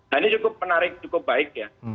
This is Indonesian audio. nah ini cukup menarik cukup baik ya